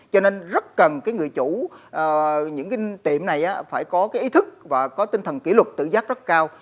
cho nên rất cần người chủ những tiệm này phải có cái ý thức và có tinh thần kỷ luật tự giác rất cao